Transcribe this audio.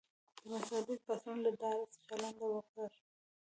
د مذهبي پاڅونونو له ډاره چلند وکړ.